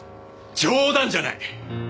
冗談じゃない！